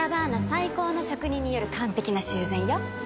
最高の職人による完璧な修繕よ。